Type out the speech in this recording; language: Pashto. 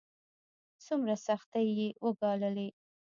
څومره سختۍ يې وګاللې.